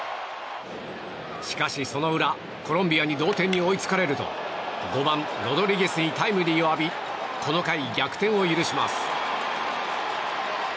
しかしその裏、コロンビアに同点に追いつかれると５番、ロドリゲスにタイムリーを浴びこの回、逆転を許します。